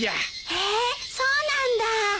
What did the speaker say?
へえそうなんだ。